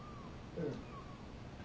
うん。